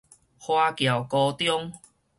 華僑高中